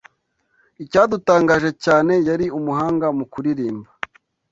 Icyadutangaje cyane, yari umuhanga mu kuririmba.